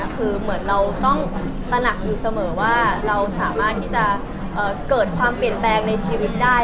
คือเหมือนเราต้องตระหนักอยู่เสมอว่าเราสามารถที่จะเกิดความเปลี่ยนแปลงในชีวิตได้